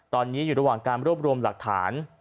ตอนนี้อยู่ระหว่างการรวบรวมหลักฐาน